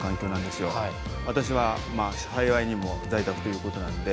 私は幸いにも在宅ということなんで。